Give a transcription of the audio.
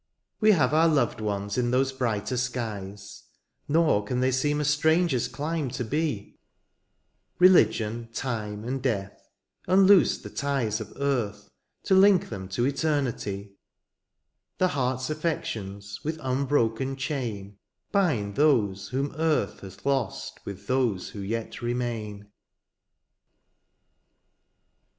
We have our loved ones in those brighter skies^ Nor can they seem a stranger's clime to be : Religion^ time^ and deaths unloose the ties Of earthy to link them to eternity : The heart's affections^ with unbroken chain^ Bind those whom earth hath lost with those who yet remain.